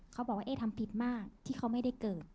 เขาบอกว่าเอ๊ทำผิดมากที่เขาไม่ได้เกิด